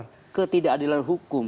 apakah ketidakadilan hukum